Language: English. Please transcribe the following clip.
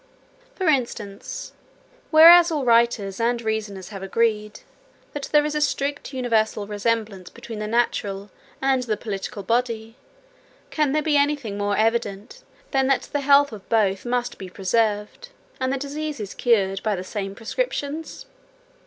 For instance: whereas all writers and reasoners have agreed, that there is a strict universal resemblance between the natural and the political body; can there be any thing more evident, than that the health of both must be preserved, and the diseases cured, by the same prescriptions?